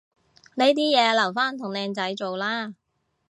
呢啲嘢留返同靚仔做啦